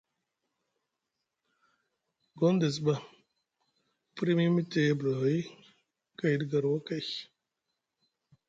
Gondess ɓa mu firya mu yimiti abulohoy ɗi garwakay.